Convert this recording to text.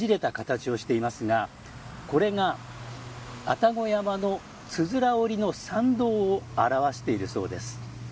よく見るとねじれた形をしていますがこれが愛宕山のつづら折りの参道を表しているそうです。